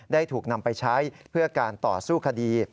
ได้ถูกนำไปใช้เพื่อการต่อสู้คดี